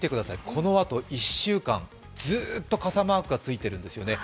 このあと、１週間、ずーっと傘マークがついているんですね。